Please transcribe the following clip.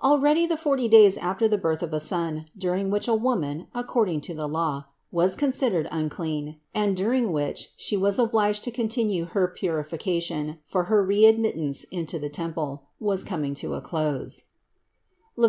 585. Already the forty days after the birth of a son, during which a woman, according to the law, was con sidered unclean and during which she was obliged to con tinue her purification for her re admittance into the tem ple, were coming to a close (Lev.